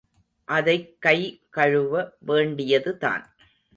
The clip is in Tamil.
அதைக் கை கழுவ வேண்டியதுதான்.